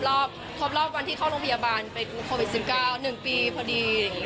รอบครบรอบวันที่เข้าโรงพยาบาลเป็นโควิด๑๙๑ปีพอดี